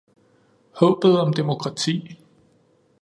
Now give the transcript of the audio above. Håbet om demokrati.